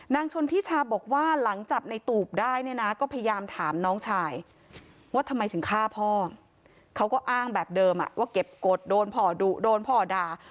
ชนทิชาบอกว่าหลังจับในตูบได้เนี่ยนะก็พยายามถามน้องชายว่าทำไมถึงฆ่าพ่อเขาก็อ้างแบบเดิมว่าเก็บกฎโดนพ่อดุโดนพ่อด่า